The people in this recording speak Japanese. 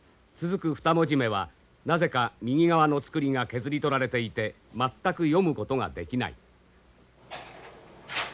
２文字目はなぜか右側のつくりが削り取られていて全く読むことができない。